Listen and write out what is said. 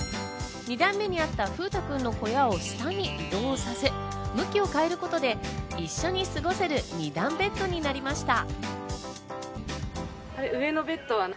２段目にあった風詠くんの小屋を下に移動させ、向きを変えることで一緒に過ごせる２段ベッドになりました。